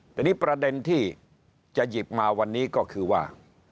แต่นี่ประเด็นที่จะหยิบมาวันนี้ก็คือว่า